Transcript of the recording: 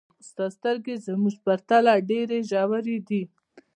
ستا سترګې زموږ په پرتله ډېرې ژورې دي.